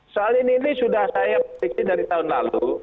soal ini ini sudah saya prediksi dari tahun lalu